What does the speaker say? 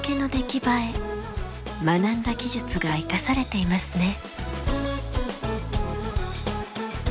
学んだ技術が生かされていますね。